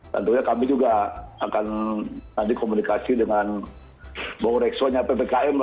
tentunya kami juga akan nanti komunikasi dengan bau reksonya ppkm